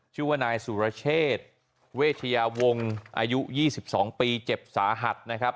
ชื่อว่านายสุรเชษเวชยาวงศ์อายุ๒๒ปีเจ็บสาหัสนะครับ